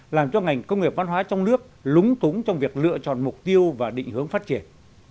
làm cho ngành công nghiệp văn hóa trong nước lúng túng trong việc lựa chọn mục tiêu và định hướng phát triển